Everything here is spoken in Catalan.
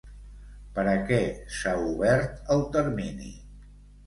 Per a què s'ha obert el termini?